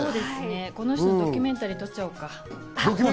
この人のドキュメンタリーを撮っちゃおうか。